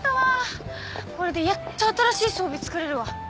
これでやっと新しい装備作れるわ。